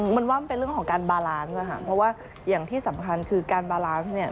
มันว่ามันเป็นเรื่องของการบาลานซ์นะคะเพราะว่าอย่างที่สำคัญคือการบาลานซ์เนี่ย